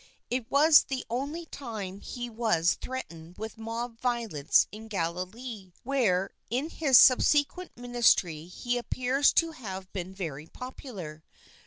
It was the only time he was threatened with mob violence in Galilee, where in his subsequent ministry he appears to have been very popular.